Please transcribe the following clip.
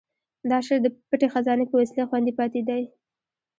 دا شعر د پټې خزانې په وسیله خوندي پاتې دی.